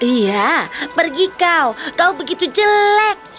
iya pergi kau begitu jelek